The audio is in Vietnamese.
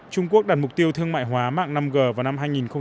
trung quốc đặt mục tiêu thương mại hóa mạng năm g vào năm hai nghìn hai mươi